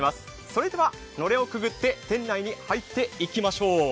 それでは、のれんをくぐって店内に入っていきましょう。